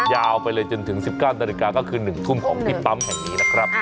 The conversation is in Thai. ยาวไปเลยจนถึง๑๙นาฬิกาก็คือ๑ทุ่มของที่ปั๊มแห่งนี้นะครับ